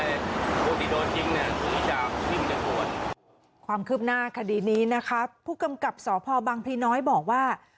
พี่มันจะโดดความคืบหน้าคดีนี้นะครับผู้กำกับสอบภบังพิน้อยบอกว่า